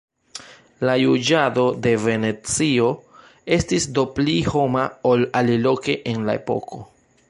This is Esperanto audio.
La juĝado de Venecio estis do pli homa ol aliloke en la epoko.